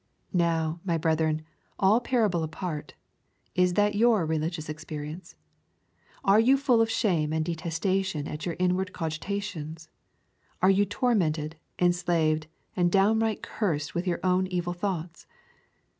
Now, my brethren, all parable apart, is that your religious experience? Are you full of shame and detestation at your inward cogitations? Are you tormented, enslaved, and downright cursed with your own evil thoughts?